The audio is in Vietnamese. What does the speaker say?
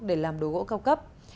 với một số gỗ cao cấp